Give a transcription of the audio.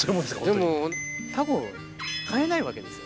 でもタコ買えないわけですよ。